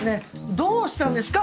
どうしたんですか！